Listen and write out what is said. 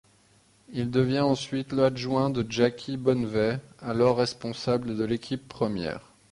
Il devient ensuite l'adjoint de Jacky Bonnevay, alors responsable de l'équipe première.